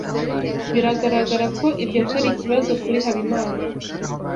Biragaragara ko ibyo atari ikibazo kuri Habimana.